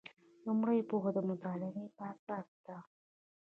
لومړۍ پوهه د مطالعې په اساس ده.